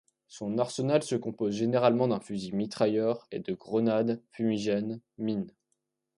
Son arsenal se compose généralement d'un fusil mitrailleur et de grenades, fumigène, mine.